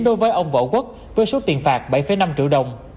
đối với ông võ quốc với số tiền phạt bảy năm triệu đồng